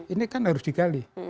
ini kan harus digali